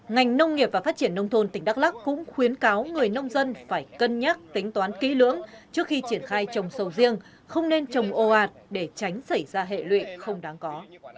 ngành nông nghiệp và phát triển nông thôn tỉnh đắk lắc cũng khuyến cáo người nông dân phải cân nhắc tính toán kỹ lưỡng trước khi triển khai trồng sầu riêng không nên trồng ồ ạt để tránh xảy ra hệ lụy không đáng có